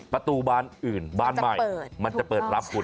ประตูบ้านอื่นบ้านใหม่มันจะเปิดรับคุณ